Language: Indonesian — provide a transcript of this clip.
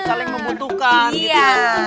saling membutuhkan gitu ya